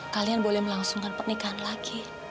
kalian boleh melangsungkan pernikahan lagi